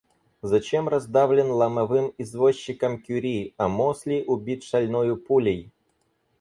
Зачем раздавлен ломовым извозчиком Кюри, а Мосли убит шальною пулей?